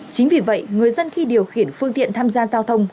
chính vì vậy người dân khi điều khiển phương tiện tham gia giao thông